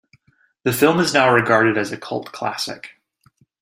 The film is now regarded as a cult classic.